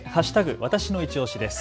わたしのいちオシです。